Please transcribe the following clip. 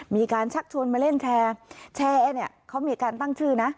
มีการชักชวนมาเล่นแชร์แชร์เนี่ยเขามีการตั้งชื่อนะ